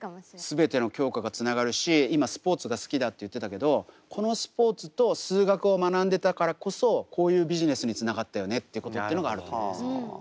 全ての教科がつながるし今スポーツが好きだって言ってたけどこのスポーツと数学を学んでたからこそこういうビジネスにつながったよねっていうことってのがあると思いますね。